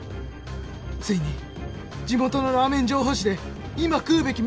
ついに地元のラーメン情報誌で「いま食うべき！